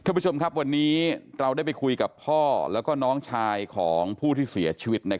คุณผู้ชมครับวันนี้เราได้ไปคุยกับพ่อแล้วก็น้องชายของผู้ที่เสียชีวิต